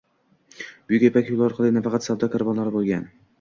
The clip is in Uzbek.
Buyuk ipak yoʻli orqali nafaqat savdo karvonlari bo'lgan.